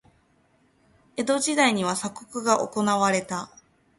江戸時代には鎖国が行われた。